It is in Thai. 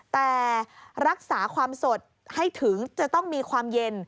แต่รักษาความสดให้ถึงจะต้องมีความเย็น